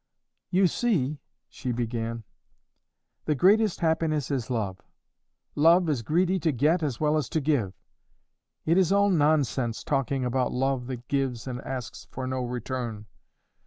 "You see," she began, "the greatest happiness is love. Love is greedy to get as well as to give. It is all nonsense talking about love that gives and asks for no return.